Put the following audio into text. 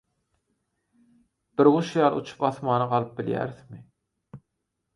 Bir guş ýaly uçup asmana galyp bilýärismi?